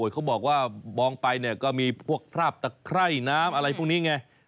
เขาบอกว่ามองไปเนี่ยก็มีพวกคราบตะไคร่น้ำอะไรพวกนี้ไง